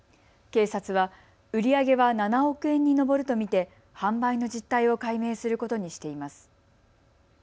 警察は売り上げは７億円に上ると見て販売の実態を解明することにしています。